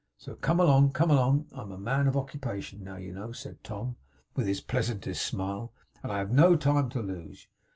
So come along. Come along. I am a man of occupation now, you know,' said Tom, with his pleasantest smile; 'and have no time to lose.